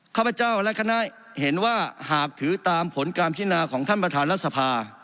ข้าพเจ้าและคณะเห็นว่าหากถือตามผลการพิจารณาของท่านประธานรัฐธรรมนุนแม้